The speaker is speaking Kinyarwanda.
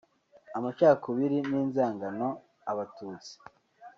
amacakubiri n’inzangano Abatutsi